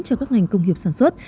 cho các ngành công nghiệp sản xuất